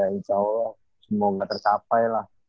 insya allah semoga tercapai lah